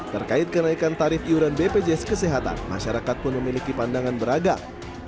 terkait kenaikan tarif iuran bpjs kesehatan masyarakat pun memiliki pandangan beragam